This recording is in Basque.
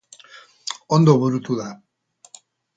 Ondo burutu da.